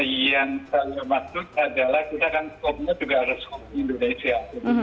yang saya maksud adalah kita kan covid nya juga harus covid indonesia